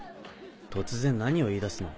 突然何を言い出すの？